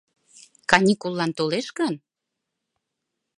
Каникуллан толеш гын?